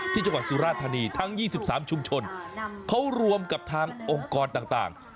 ที่จังหวัดสุราธานีทั้ง๒๓ชุมชนเขารวมกับทางองค์กรต่าง